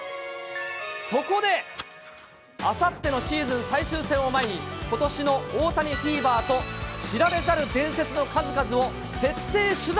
そこで、あさってのシーズン最終戦を前に、ことしの大谷フィーバーと、知られざる伝説の数々を徹底取材。